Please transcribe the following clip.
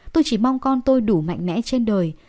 tôi chỉ mong con tôi đủ mạnh mẽ trên đời